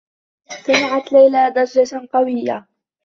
سمعت ليلى ضجّة قويّة.